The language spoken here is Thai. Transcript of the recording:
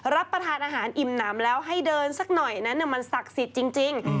รับประทานอาหารอิ่มน้ำแล้วให้เดินสักหน่อยนั้นมันศักดิ์สิทธิ์จริง